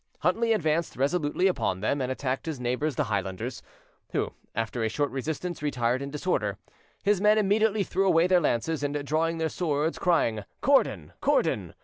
Huntly advanced resolutely upon them, and attacked his neighbours the Highlanders, who after a short resistance retired in disorder. His men immediately threw away their lances, and, drawing their swords, crying, "Cordon, Cordon!"